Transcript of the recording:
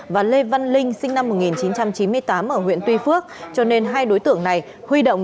và lê văn linh sinh năm một nghìn chín trăm chín mươi tám ở huyện tuy phước cho nên hai đối tượng này huy động